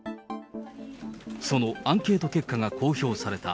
そのアンケート結果が公表された。